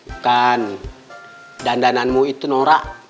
bukan dandananmu itu norak